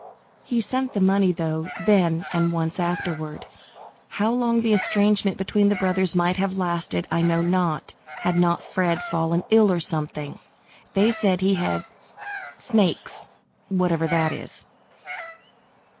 He sent the money, though, then and once afterward. How long the estrangement between the brothers might have lasted I know not, had not Fred fallen ill or something. They said he had "snakes," whatever that is.